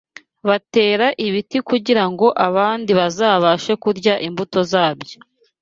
Batera ibiti kugira ngo abandi bazabashe kurya imbuto zabyo